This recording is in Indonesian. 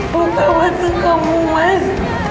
mau buat sama kamu mas